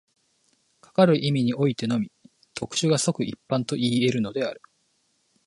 かかる意味においてのみ、特殊が即一般といい得るのである。